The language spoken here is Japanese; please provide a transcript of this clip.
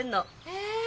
へえ。